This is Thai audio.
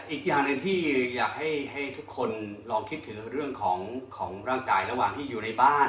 อีกอย่างหนึ่งที่อยากให้ทุกคนลองคิดถึงเรื่องของร่างกายระหว่างที่อยู่ในบ้าน